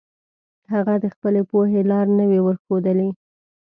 هغه د خپلې پوهې لار نه وي ورښودلي.